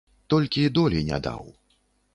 Толькі долі не даў.